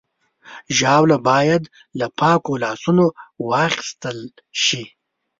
ژاوله باید له پاکو لاسونو واخیستل شي.